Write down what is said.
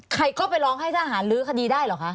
ใครก็ไปร้องให้ทหารลื้อคดีได้เหรอคะ